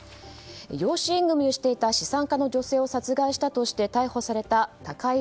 養子縁組をしていた資産家の女性を殺害したとして逮捕された高井凜